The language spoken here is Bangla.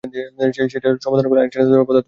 সেটার সমাধান করলেন আইনস্টাইন পদার্থবিজ্ঞান দিয়ে।